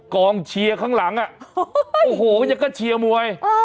กองเชียร์ข้างหลังนะยังเชียร์มวย